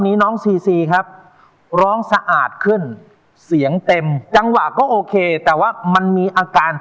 ไม่มีเพื่อนชายเหมือนปีกลาย